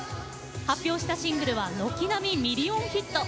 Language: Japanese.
発表したシングルは軒並みミリオンヒット。